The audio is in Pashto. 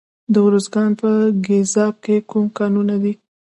د ارزګان په ګیزاب کې کوم کانونه دي؟